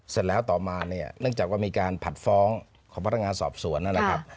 เสร็จแล้วต่อมาเนี่ยเนื่องจากว่ามีการผัดฟ้องของพนักงานสอบสวนนะครับ